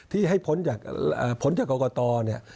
ที่ให้พ้นจากผลจากกรกตเนี่ย